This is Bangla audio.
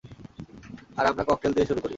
আর আমরা ককটেল দিয়ে শুরু করি।